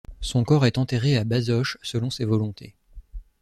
Son corps est enterré à Bazoches selon ses volontés.